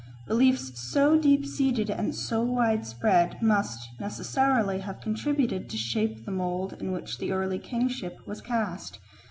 Beliefs so deep seated and so widespread must necessarily have contributed to shape the mould in which the early kingship was cast.